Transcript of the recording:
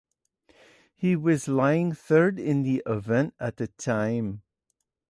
He was lying third in the event at the time.